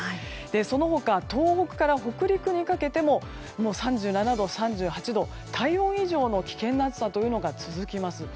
その他、東北から北陸にかけても３７度、３８度と体温以上の危険な暑さというのが続きます。